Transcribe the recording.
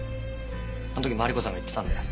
あの時マリコさんが言ってたんだよ。